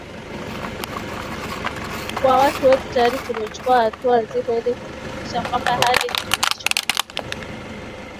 kwa watu wetu tayari tumechukua hatua nzito ili kuhakikisha kwamba hali inakuwa shwari